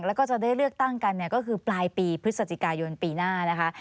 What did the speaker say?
แล้วก็จะได้เลือกตั้งกันก็คือปลายปีพฤศจิกายนปีหน้านะคะ